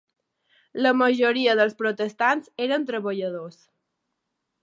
La majoria dels protestants eren treballadors.